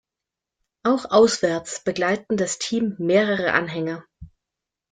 Auch auswärts begleiten das Team mehrere Anhänger.